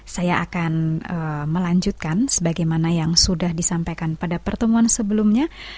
saya akan melanjutkan sebagaimana yang sudah disampaikan pada pertemuan sebelumnya